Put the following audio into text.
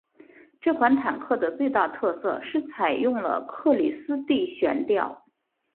这款坦克的最大特色是采用了克里斯蒂悬吊。